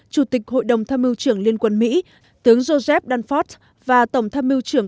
chủ tịch hội đồng tham mưu trưởng liên quân mỹ tướng joseph danfort và tổng tham mưu trưởng